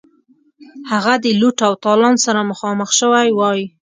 هغه د لوټ او تالان سره مخامخ شوی وای.